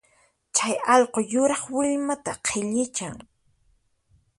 Chay allqu yuraq willmata qhillichan